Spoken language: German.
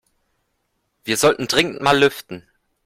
Wir sollten dringend mal lüften.